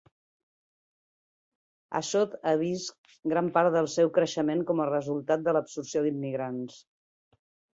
Ashdod ha vist gran part del seu creixement com a resultat de l'absorció d'immigrants.